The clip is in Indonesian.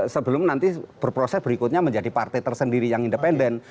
sebelum nanti berproses berikutnya menjadi partai tersendiri yang independen